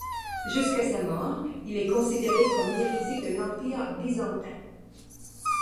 Jusqu'à sa mort, il est considéré comme l'héritier de l'Empire byzantin.